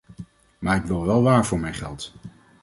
Maar ik wil wel waar voor mijn geld.